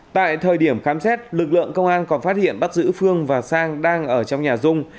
tại thời điểm khám xét lực lượng công an còn phát hiện bắt giữ phương và sang đang ở trong nhà dung